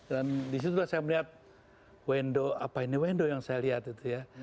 dan disitulah saya melihat wendo apa ini wendo yang saya lihat itu ya